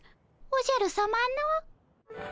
おじゃるさまの？